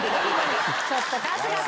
ちょっと春日さん。